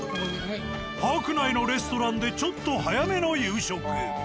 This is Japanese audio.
パーク内のレストランでちょっと早めの夕食。